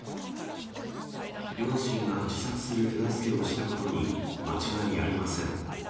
両親が自殺する手助けをしたことに間違いありません。